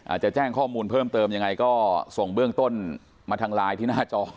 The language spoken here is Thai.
จะแจ้งข้อมูลเพิ่มเติมยังไงก็ส่งเบื้องต้นมาทางไลน์ที่หน้าจอ